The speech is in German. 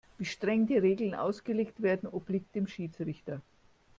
Wie streng die Regeln ausgelegt werden, obliegt dem Schiedsrichter.